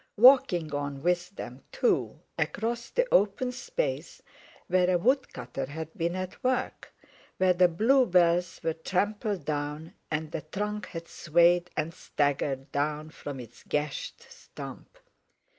Walking on with them, too, across the open space where a wood cutter had been at work, where the bluebells were trampled down, and a trunk had swayed and staggered down from its gashed stump.